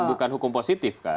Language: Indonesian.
bukan hukum positif kan